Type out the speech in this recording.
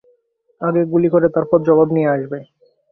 আগে গুলি করে তারপর জবাব নিয়ে আসবে।